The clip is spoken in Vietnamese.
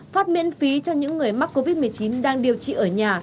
phát miễn phí cho những người mắc covid một mươi chín đang điều trị ở nhà